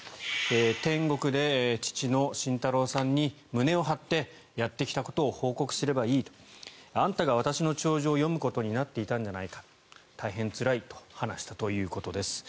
天国で父の晋太郎さんに胸を張ってやってきたことを報告すればいいあんたが私の弔辞を読むことになっていたんじゃないか大変つらいと話したということです。